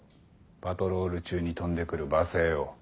パトロール中に飛んでくる罵声を。